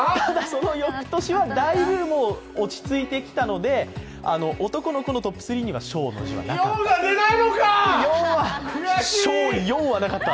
その翌年は、だいぶ落ち着いてきたので男の子のトップ３には昭の字は出てこなかった。